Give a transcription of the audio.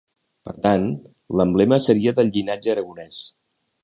Per tant, l'emblema seria del llinatge aragonès.